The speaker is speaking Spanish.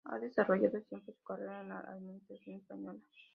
Ha desarrollado siempre su carrera en la Administración española.